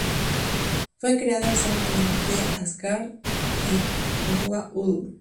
Fue creada usando tecnología Asgard y Goa'uld.